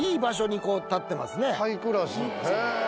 ハイクラスへぇ。